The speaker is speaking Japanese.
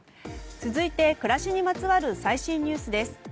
続いて、暮らしにまつわる最新ニュースです。